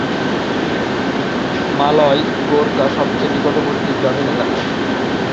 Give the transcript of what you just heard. মালয় গোরকা সবচেয়ে নিকটবর্তী গ্রামীণ এলাকা।